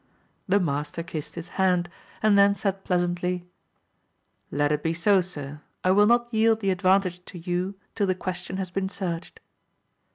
The master kissed his hand, and then said pleasantly. Let it be so, sir, I will not yield the advantage to you till the question has been searched.